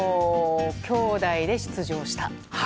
きょうだいで出場した。